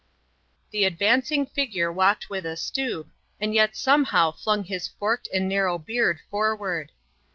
The advancing figure walked with a stoop, and yet somehow flung his forked and narrow beard forward.